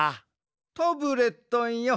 タブレットンよ